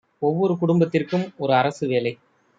ஒவ்வொரு குடும்பத்திற்கும் ஒரு அரசு வேலை